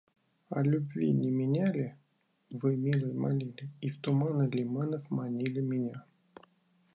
О любви не меня ли вы, милый, молили, и в туманы лиманов манили меня?